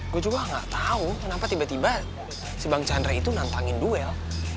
gue cuma gak tahu kenapa tiba tiba si bang chandra itu nantangin duel